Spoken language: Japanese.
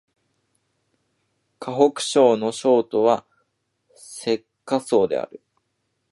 河北省の省都は石家荘である